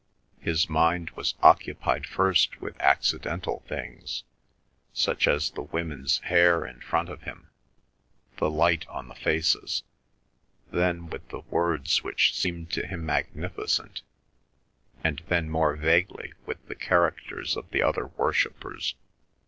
His mind was occupied first with accidental things, such as the women's hair in front of him, the light on the faces, then with the words which seemed to him magnificent, and then more vaguely with the characters of the other worshippers.